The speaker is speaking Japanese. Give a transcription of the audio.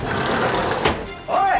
おい！